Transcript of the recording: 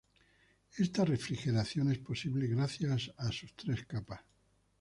Esta refrigeración es posible gracias a sus tres capas.